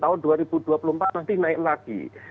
tahun dua ribu dua puluh empat nanti naik lagi